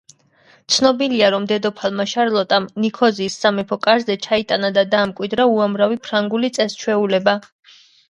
ცნობილია, რომ დედოფალმა შარლოტამ ნიქოზიის სამეფო კარზე ჩაიტანა და დაამკვიდრა უამრავი ფრანგული წეს-ჩვეულება.